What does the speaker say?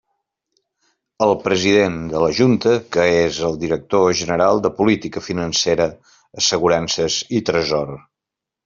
El president de la Junta, que és el director general de Política Financera, Assegurances i Tresor.